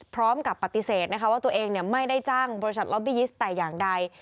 พร้อมกับปฏิเสธนะคะว่าตัวเองไม่ได้จ้างบริษัทล็อบบียิสต์แต่อย่างใด